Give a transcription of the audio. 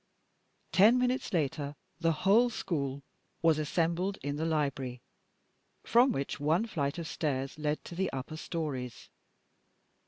Ten minutes later the whole school was assembled in the library, from which one flight of stairs led to the upper storeys.